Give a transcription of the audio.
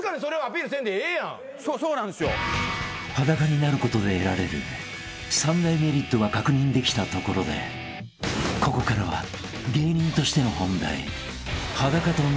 ［裸になることで得られる三大メリットが確認できたところでここからは芸人としての本題］